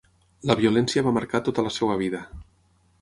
La violència va marcar tota la seva vida.